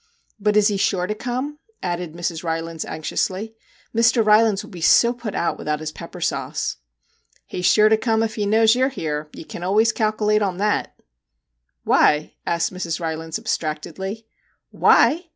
* But is he sure to come ?' added Mrs. Rylands anxiously. ' Mr. Rylands will be so put out without his pepper sauce/ 'He's sure to come ef he knows you're here. Ye kin always kalkilate on that/ * Why ?' said Mrs. Rylands abstractedly. ' Why